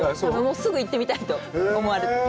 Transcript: すぐ行ってみたいと思われます。